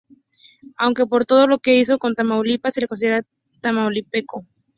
Aunque por todo lo que hizo por Tamaulipas, se le considera Tamaulipeco.